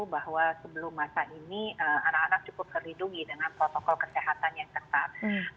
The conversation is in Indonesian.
bahwa sebelum masa ini anak anak cukup terlindungi dengan protokol kesehatan yang tepat